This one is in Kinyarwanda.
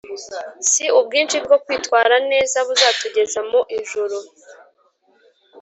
Si ubwinshi bwo kwitwara neza buzatugeza mu Ijuru